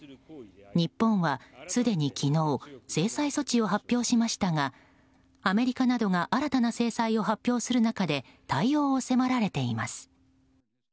日本はすでに昨日制裁措置を発表しましたがアメリカなどが新たな制裁を発表する中で対応を迫られています。